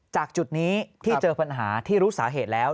จุดนี้ที่เจอปัญหาที่รู้สาเหตุแล้ว